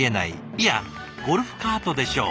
いやゴルフカートでしょう。